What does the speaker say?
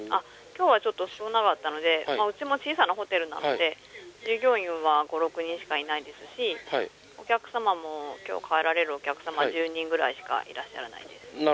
今日はちょっと少なかったのでうちも小さなホテルなので従業員は５６人しかいないですしお客様も今日、帰られるお客様１０人くらいしかいらっしゃらないです。